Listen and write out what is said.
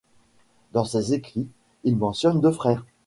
Dans ses écrits, il mentionne deux frères.